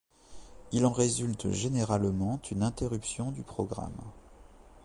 Il en résulte généralement une interruption du programme.